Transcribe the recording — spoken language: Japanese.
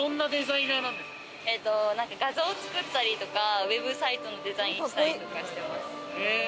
画像を作ったりとか、ウェブサイトのデザインしたりとかしてます。